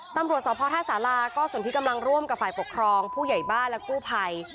ตำรวจสพท่าสาราก็ส่วนที่กำลังร่วมกับฝ่ายปกครองผู้ใหญ่บ้านและกู้ภัย